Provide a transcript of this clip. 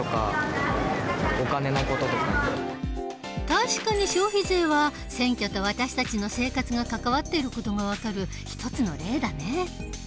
確かに消費税は選挙と私たちの生活が関わっている事が分かる一つの例だね。